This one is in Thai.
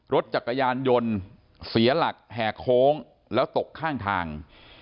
รถจักรยานยนต์เสียหลักแห่โค้งแล้วตกข้างทาง